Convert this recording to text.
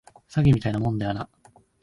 詐欺みたいなもんだよな